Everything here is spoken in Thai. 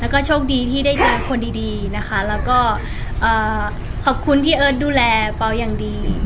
แล้วก็โชคดีที่ได้เจอคนดีนะคะแล้วก็ขอบคุณที่เอิร์ทดูแลเป๋าอย่างดี